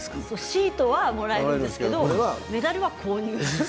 シートはもらえるんですけれどもメダルは購入するんです。